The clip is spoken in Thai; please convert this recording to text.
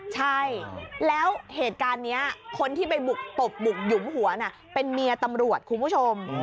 ใช่แล้วเหตุการณ์นี้คนที่ไปบุกตบบุกหยุมหัวน่ะเป็นเมียตำรวจคุณผู้ชม